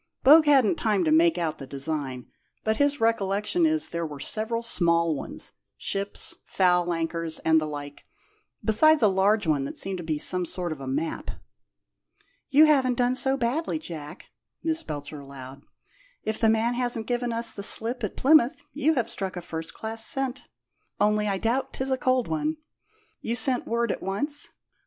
Bogue hadn't time to make out the design, but his recollection is there were several small ones ships, foul anchors, and the like besides a large one that seemed to be some sort of a map." "You haven't done so badly, Jack," Miss Belcher allowed. "If the man hasn't given us the slip at Plymouth you have struck a first class scent. Only I doubt 'tis a cold one. You sent word at once?"